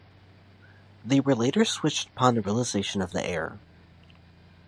They were later switched upon the realization of the error.